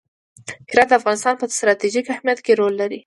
هرات د افغانستان په ستراتیژیک اهمیت کې رول لري.